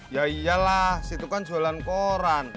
ya iyalah situ kan jualan koran